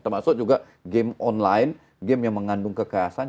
termasuk juga game online game yang mengandung kekerasan